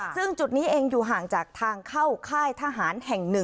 ซึ่งจุดนี้เองอยู่ห่างจากทางเข้าค่ายทหารแห่ง๑